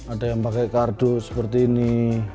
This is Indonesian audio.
ada yang pakai kardus seperti ini